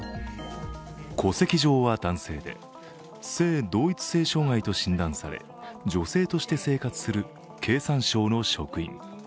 戸籍上は男性で、性同一障害と診断され女性として生活する経産省の職員。